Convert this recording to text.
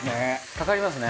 かかりますね。